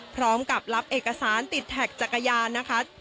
พร้อมกับรับเอกสารติดแท็กจักรยานนะคะ